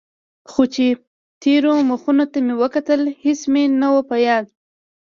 خو چې تېرو مخونو ته مې کتل هېڅ مې نه و په ياد.